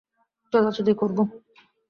চোদাচুদি করবো!